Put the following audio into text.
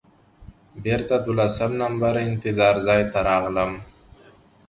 بېرته دولسم نمبر انتظار ځای ته راغلم.